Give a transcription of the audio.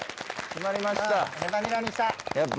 決まりました。